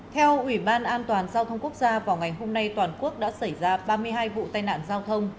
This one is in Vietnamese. theo ủy ban an toàn giao thông quốc gia vào ngày hôm nay toàn quốc đã xảy ra ba mươi hai vụ tai nạn giao thông